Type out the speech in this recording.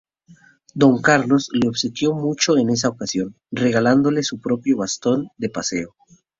Don Carlos le obsequió mucho en esa ocasión, regalándole su propio bastón de paseo.